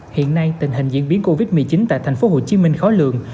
hiện nay tình hình diễn biến covid một mươi chín tại tp hcm khó lường